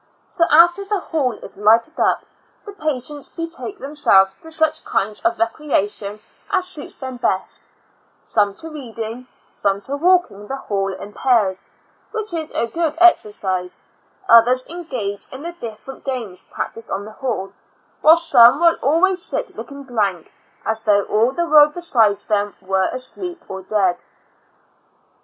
So after the hall is lighted up, the patients betake them selves to such kinds of recreation as suits them best — some to reading, some to walk ing the hall in pairs, which is a good exer cise, others engage in the different games practiced on the hall, while some will always sit looking blank, as though all the world besides them were asleep or dead.